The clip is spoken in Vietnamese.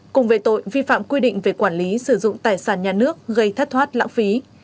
cùng về tội vi phạm quy định về quản lý sử dụng tài sản nhà nước gây thất thoát lãng phí